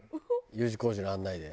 Ｕ字工事の案内で。